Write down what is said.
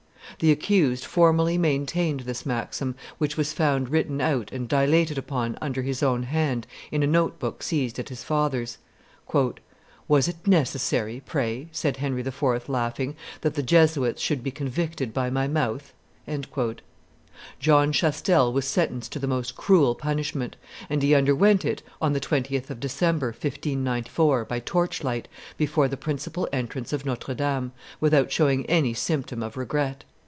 The accused formally maintained this maxim, which was found written out and dilated upon under his own hand in a note book seized at his father's. "Was it necessary, pray," said Henry IV., laughing, "that the Jesuits should be convicted by my mouth?" John Chastel was sentenced to the most cruel punishment; and he underwent it on the 20th of December, 1594, by torch light, before the principal entrance of Notre Dame, without showing any symptom of regret.